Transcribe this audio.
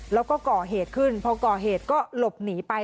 แล้วก็ก่อเหตุขึ้นพอก่อเหตุก็หลบหนีไป